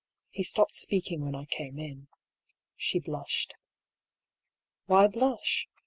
He stopped speaking when I came in. She blushed. Why blush